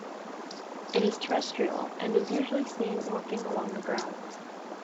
It is terrestrial, and is usually seen walking along the ground.